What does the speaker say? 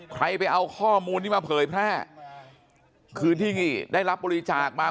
ใครไปเอาข้อมูลนี้มาเผยแพร่คืนที่ได้รับบริจาคมา